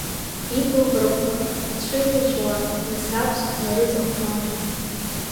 Ибла ӷрақәа ҳәыҵәы-ҳәаҵәуа мцабзык нарыҵахәмарит.